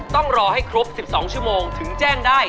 ต้องรอให้ครบ๑๒ชั่วโมงถึงแจ้งได้